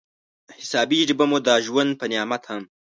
حسابېږي به مو دا ژوند په نعمت هم